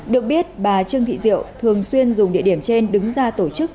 được biết bà trương thị diệu thường xuyên dùng địa điểm trên đứng ra tổ chức